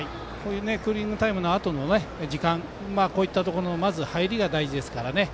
クーリングタイムのあとの時間、こういったところの入りが大事ですから。